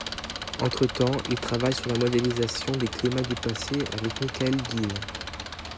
Entre-temps, il travaille sur la modélisation des climats du passé avec Michael Ghil.